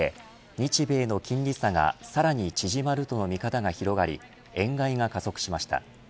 日米の金利差がさらに縮まるとの見方が広がり円買いが加速しました。